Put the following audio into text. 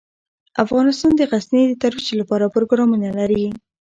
افغانستان د غزني د ترویج لپاره پروګرامونه لري.